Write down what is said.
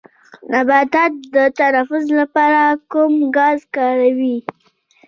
نباتات د تنفس لپاره کوم ګاز کاروي